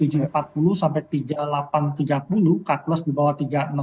cut loss di bawah tiga ratus enam puluh